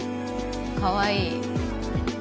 かわいい。